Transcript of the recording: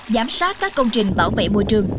giám sát các công trình bảo vệ môi trường